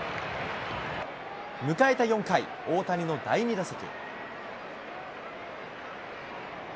迎えた４回、大谷の第２打席。